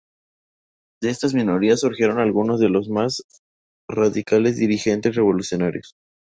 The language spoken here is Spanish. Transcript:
De estas minorías, surgieron algunos de los más radicales dirigentes revolucionarios.